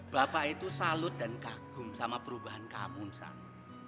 bapak itu salut dan kagum sama perubahan kamu misalnya